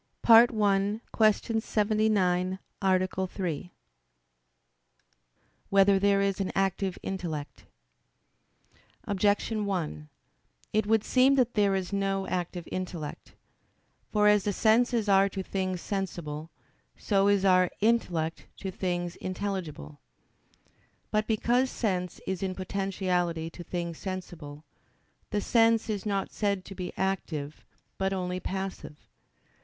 _______________________ THIRD ARTICLE [I, Q. 79, Art. 3] Whether There Is an Active Intellect? Objection 1: It would seem that there is no active intellect. For as the senses are to things sensible, so is our intellect to things intelligible. But because sense is in potentiality to things sensible, the sense is not said to be active, but only passive.